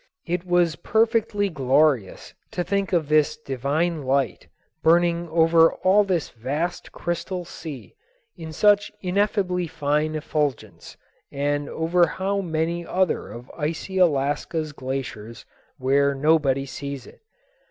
It was perfectly glorious to think of this divine light burning over all this vast crystal sea in such ineffably fine effulgence, and over how many other of icy Alaska's glaciers where nobody sees it.